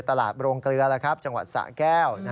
ตลาดโบรงเกลือนะครับจังหวัดสะแก้ว